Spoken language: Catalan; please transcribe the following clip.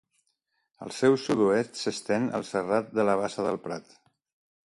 Al seu sud-oest s'estén el Serrat de la Bassa del Prat.